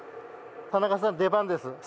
田中さん出番です。